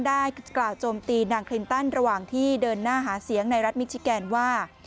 ได้กล่าวโจมตีนางคลินตันระหว่างที่เดินหน้าหาเสียงในรัฐมิชิแกนว่า